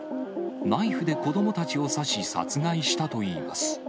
ナイフで子どもたちを刺し殺害したといいます。